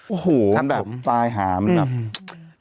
โอ้โหมันแบบปายหามนะครับ